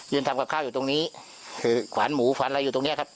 ทำกับข้าวอยู่ตรงนี้คือขวานหมูขวานอะไรอยู่ตรงเนี้ยครับ